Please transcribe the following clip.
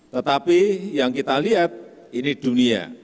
tetapi yang kita lihat ini dunia